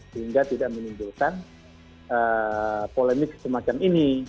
sehingga tidak menimbulkan polemik semacam ini